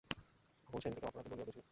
তখন সে নিজেকে অপরাধী বলিয়া বুঝিল।